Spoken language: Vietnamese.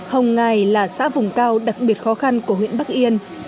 hồng ngài là xã vùng cao đặc biệt khó khăn của huyện bắc yên